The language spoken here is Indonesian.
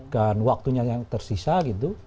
dan waktunya yang tersisa gitu